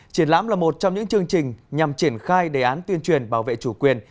triển lãm là một trong những chương trình nhằm triển khai đề án tuyên truyền bảo vệ chủ quyền